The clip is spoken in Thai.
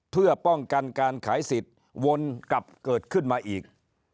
เพื่อป้องกันการขายสิทธิ์วนกลับเกิดขึ้นมาอีก